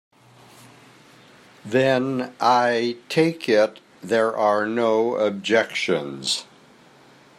Then I take it there are no objections.